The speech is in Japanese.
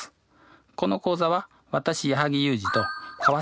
この講座は私矢作裕滋と川先生